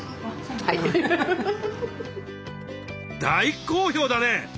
大好評だね！